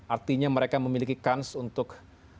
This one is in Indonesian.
artinya mereka memiliki kans untuk